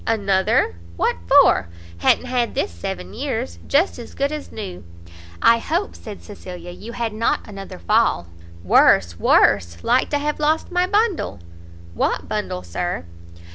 "Another! what for? ha'n't had this seven years; just as good as new." "I hope," said Cecilia, "you had not another fall?" "Worse, worse; like to have lost my bundle." "What bundle, Sir?"